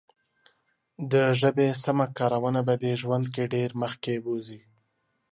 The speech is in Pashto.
د ژبې سمه کارونه به دې ژوند کې ډېر مخکې بوزي.